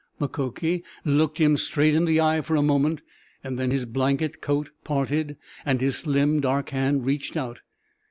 Mukoki looked him straight in the eye for a moment, and then his blanket coat parted and his slim, dark hand reached out.